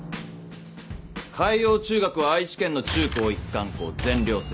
海王中学は愛知県の中高一貫校全寮制。